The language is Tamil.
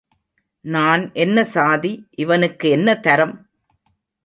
நான் என்ன சாதி இவனுக்கு என்ன தரம்?